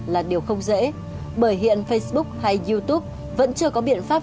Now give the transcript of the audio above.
là điều không dễ bởi hiện facebook hay youtube vẫn chưa có biện pháp